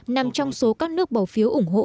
nằm trong số các nước bảo phiếu ủng hộ